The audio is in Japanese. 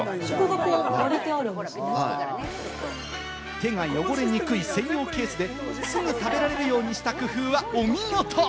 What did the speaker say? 手が汚れにくい専用ケースですぐ食べられるようにした工夫はお見事！